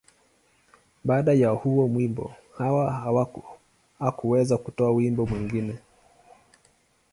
Baada ya huo wimbo, Hawa hakuweza kutoa wimbo mwingine.